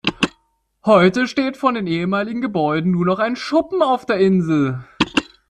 Heute steht von den ehemaligen Gebäuden nur noch ein Schuppen auf der Insel.